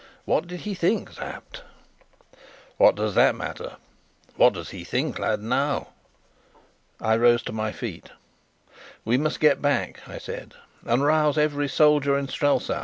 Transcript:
What did he think, Sapt?" "What does that matter? What does he think, lad, now?" I rose to my feet. "We must get back," I said, "and rouse every soldier in Strelsau.